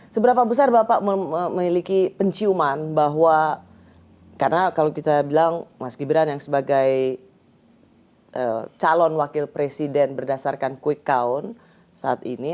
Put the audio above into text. seberapa besar bapak memiliki penciuman bahwa karena kalau kita bilang mas gibran yang sebagai calon wakil presiden berdasarkan quick count saat ini